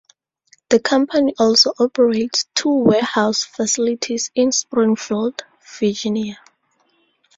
The company also operates two warehouse facilities in Springfield, Virginia.